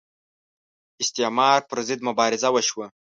استعمار پر ضد مبارزه وشوه